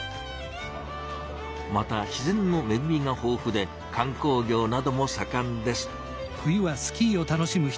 また自然のめぐみがほうふで観光業などもさかんです。